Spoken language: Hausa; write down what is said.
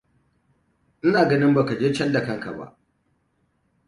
Ina ganin baka je can da kanka ba.